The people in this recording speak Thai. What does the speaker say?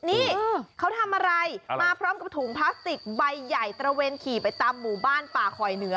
นี่เขาทำอะไรมาพร้อมกับถุงพลาสติกใบใหญ่ตระเวนขี่ไปตามหมู่บ้านป่าคอยเหนือ